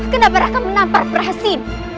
kenapa raka menampar perhiasan